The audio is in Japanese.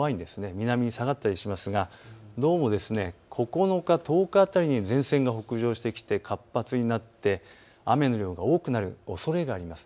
南に下がったりしますがどうも９日、１０日辺りに前線が北上してきて活発になって雨の量が多くなるおそれがあります。